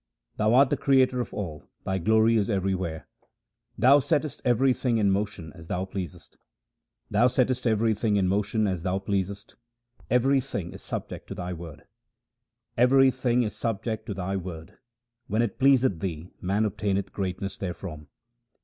Thou art the Creator of all ; Thy glory is everywhere ; Thou settest everything in motion as Thou pleasest : Thou settest everything in motion as Thou pleasest ; everything is subject to Thy word : Everything is subject to Thy word; when it pleaseth Thee, man obtaineth greatness therefrom.